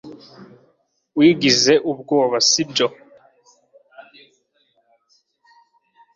Wagize ubwoba, si byo?